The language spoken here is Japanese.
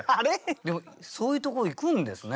でもそういうところ行くんですね。